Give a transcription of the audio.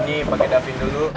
ini pake dapin dulu